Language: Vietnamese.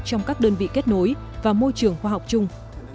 trong các đơn vị kết nối và môi trường khoa học chung